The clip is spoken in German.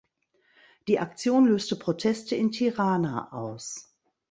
Die Aktion löste Proteste in Tirana aus.